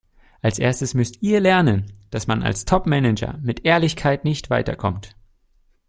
Als Erstes müsst ihr lernen, dass man als Topmanager mit Ehrlichkeit nicht weiterkommt.